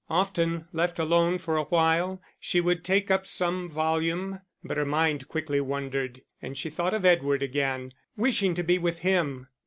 Often, left alone for a while, she would take up some volume, but her mind quickly wandered and she thought of Edward again, wishing to be with him.